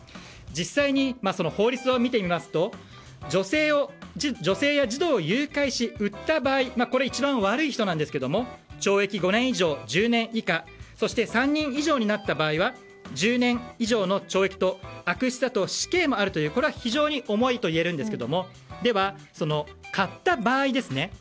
実際に法律を見てみますと女性や児童を誘拐し売った場合一番悪い人なんですが懲役５年以上１０年以下そして３人以上になった場合は１０年以上の懲役と悪質だと死刑もあるというこれは非常に重いといえるんですがでは、買った場合ですね。